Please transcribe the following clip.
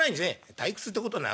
「退屈ってことない。